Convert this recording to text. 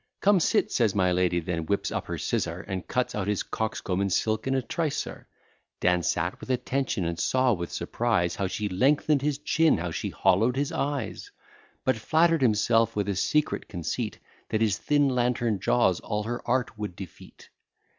Come sit, says my lady; then whips up her scissar, And cuts out his coxcomb in silk in a trice, sir. Dan sat with attention, and saw with surprise How she lengthen'd his chin, how she hollow'd his eyes; But flatter'd himself with a secret conceit, That his thin lantern jaws all her art would defeat.